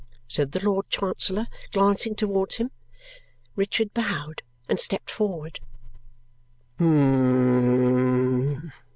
said the Lord Chancellor, glancing towards him. Richard bowed and stepped forward. "Hum!"